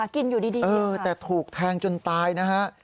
กินอยู่ดีแต่ถูกแทงจนตายนะฮะ